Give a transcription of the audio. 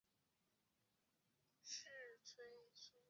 它也是广州城市形象的标志性建筑和旅游观光景点之一。